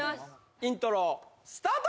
イントロスタート